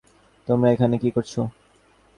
তোমরা এখানে কী করছো?